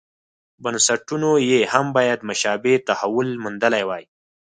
بنسټونو یې هم باید مشابه تحول موندلی وای.